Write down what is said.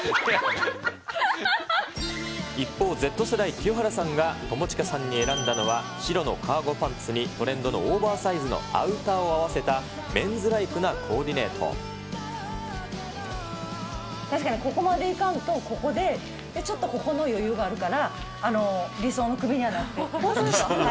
一方、Ｚ世代、清原さんが友近さんに選んだのは、白のカーゴパンツにトレンドのオーバーサイズのアウターを合わせ確かに、ここまで行かんと、ここでちょっとここの余裕があるから、理想の首になってる。